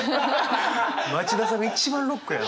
町田さんが一番ロックやな。